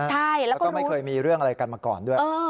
ใช่แล้วก็รู้แล้วก็ไม่เคยมีเรื่องอะไรกันมาก่อนด้วย